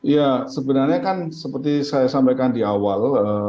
ya sebenarnya kan seperti saya sampaikan di awal